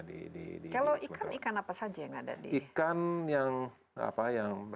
kalau ikan ikan apa saja yang ada di ikan